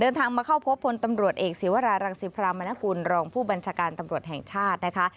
มาเข้าพบพลตำรวจเอกศีวรารังศิพรามนกุลรองผู้บัญชาการตำรวจแห่งชาตินะคะ